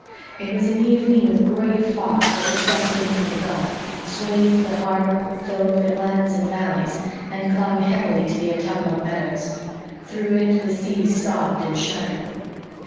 It was an evening of gray fog that had crept in from the gulf, swathed the harbor, filled the glens and valleys, and clung heavily to the autumnal meadows. Through it the sea sobbed and shuddered.